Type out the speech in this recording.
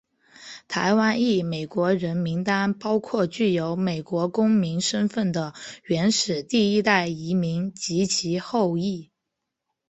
台湾裔美国人名单包括具有美国公民身份的原始第一代移民及其后裔。